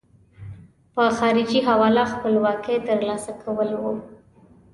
په خارجي حواله خپلواکۍ ترلاسه کول وو.